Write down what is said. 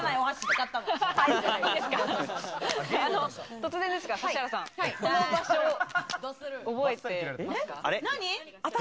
突然ですが指原さん、この場所、覚えていますか？